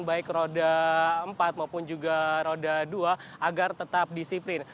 baik roda empat maupun juga roda dua agar tetap disiplin